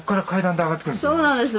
そうなんです。